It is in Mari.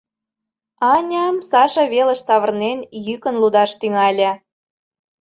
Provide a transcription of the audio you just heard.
Аня, Саша велыш савырнен, йӱкын лудаш тӱҥале: